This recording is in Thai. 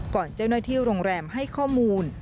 ก่อนเจ้าหน้าที่โรงแรมให้ข้อมูล